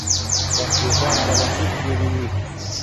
کمپيوټر بلنليک جوړوي.